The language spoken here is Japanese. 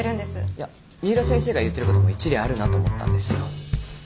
いや三浦先生が言ってる事も一理あるなと思ったんですよ。